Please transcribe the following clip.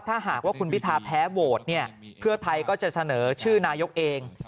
ถ้าหากว่าคุณพิทาแพ้โหวตเนี่ยเพื่อไทยก็จะเสนอชื่อนายกเอง